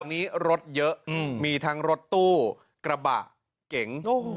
ตอนนี้รถเยอะมีทั้งรถตู้กระบะเก๋ง